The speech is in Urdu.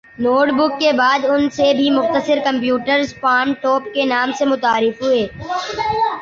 نوٹ بک کے بعد ان سے بھی مختصر کمپیوٹرز پام ٹوپ کے نام سے متعارف ہوئے